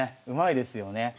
うまいですよね。